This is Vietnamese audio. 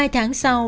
hai tháng sau